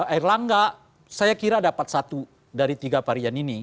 erlangga saya kira dapat satu dari tiga varian ini